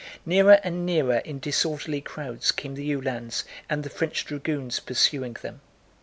Nearer and nearer in disorderly crowds came the Uhlans and the French dragoons pursuing them.